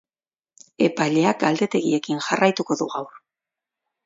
Epaileak galdeketekin jarraituko du gaur.